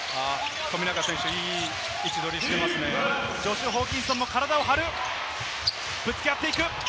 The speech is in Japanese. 富永選手、いい位置取ジョシュ・ホーキンソンも体を張る、ぶつけ合っていく。